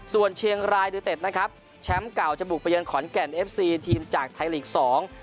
ส่วนเชียงรายยูเต็ดนะครับแชมป์เก่าจะบุกไปเยือนขอนแก่นเอฟซีทีมจากไทยลีกสอง